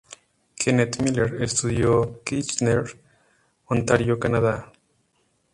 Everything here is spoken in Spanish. Kenneth Millar estudió en Kitchener, Ontario, Canadá.